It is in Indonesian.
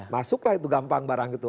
masuklah itu gampang barang itu